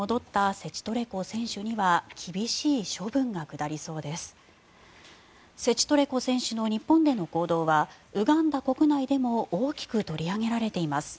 セチトレコ選手の日本での行動はウガンダ国内でも大きく取り上げられています。